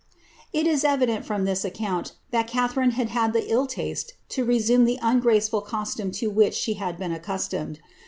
It is evident, from this account, that Catha \ had had the ill Uiste to resume the ungraceful costume to which she been accustomed.